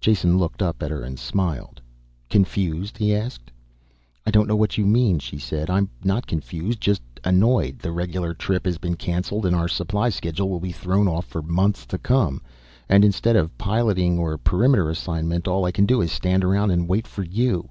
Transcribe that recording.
Jason looked up at her and smiled. "Confused?" he asked. "I don't know what you mean," she said, "I'm not confused. Just annoyed. The regular trip has been canceled and our supply schedule will be thrown off for months to come. And instead of piloting or perimeter assignment all I can do is stand around and wait for you.